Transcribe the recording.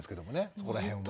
そこら辺は。